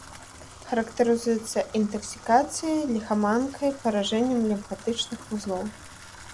Характарызуецца інтаксікацыяй, ліхаманкай, паражэннем лімфатычных вузлоў.